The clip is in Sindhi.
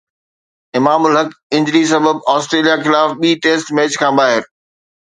امام الحق انجری سبب آسٽريليا خلاف ٻي ٽيسٽ ميچ کان ٻاهر